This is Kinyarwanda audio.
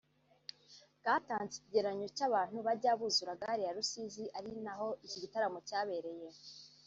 bwatanze ikigereranyo cy’abantu bajya buzura Gare ya Rusizi ari naho iki gitaramo cyabereye